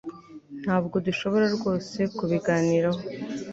Ntabwo dushobora rwose kubiganiraho